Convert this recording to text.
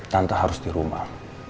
tante harus di rumah